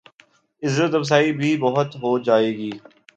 عزت افزائی بھی بہت ہو جائے گی۔